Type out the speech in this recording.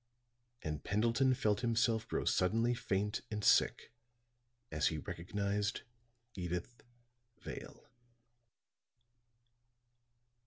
And Pendleton felt himself grow suddenly faint and sick as he recognized Edyth Vale.